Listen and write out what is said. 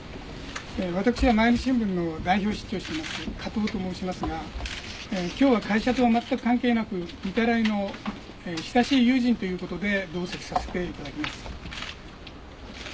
私は毎日新聞のカクブと申しますが今日は会社とは全く関係なく御手洗の親しい友人ということで同席させていただきます。